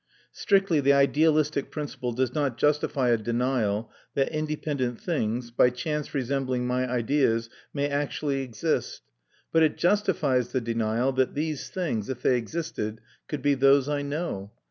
Strictly the idealistic principle does not justify a denial that independent things, by chance resembling my ideas, may actually exist; but it justifies the denial that these things, if they existed, could be those I know.